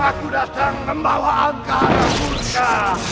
aku datang membawa agar agar